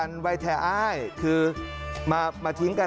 และก็มีการกินยาละลายริ่มเลือดแล้วก็ยาละลายขายมันมาเลยตลอดครับ